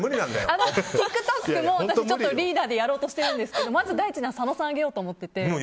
ＴｉｋＴｏｋも私はリーダーでやろうとしているんですけどまず第一に佐野さんを上げようと思って。